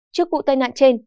trước vụ tai nạn trên